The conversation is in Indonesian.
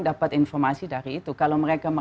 dapat informasi dari itu kalau mereka